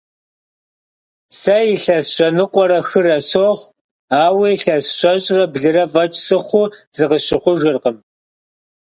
Сэ илъэс щэныкъуэрэ хырэ сохъу, ауэ илъэс щэщӏрэ блырэ фӏэкӏ сыхъуу зыкъысщыхъужыркъым.